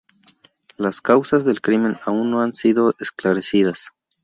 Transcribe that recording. Las causas del crimen aún no han sido esclarecidas.